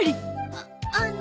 あっあの。